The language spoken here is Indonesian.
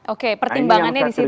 oke pertimbangannya di situ